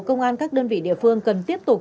công an các đơn vị địa phương cần tiếp tục